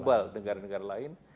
bahkan negara negara lain